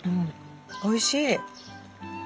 おいしい。